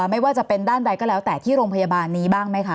ไม่ว่าจะเป็นด้านใดก็แล้วแต่ที่โรงพยาบาลนี้บ้างไหมคะ